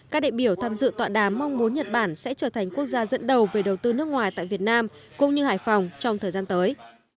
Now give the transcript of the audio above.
các đại biểu tham dự tọa đàm mong muốn nhật bản sẽ trở thành quốc gia dẫn đầu về đầu tư nước ngoài tại việt nam cũng như hải phòng trong thời gian tới